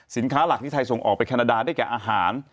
หลักที่ไทยส่งออกไปแคนาดาได้แก่อาหาร